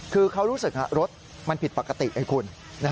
คือเขารู้สึกรถมันผิดปกติไอ้คุณ